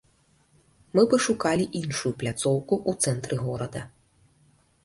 Мы пашукалі іншую пляцоўку ў цэнтры горада.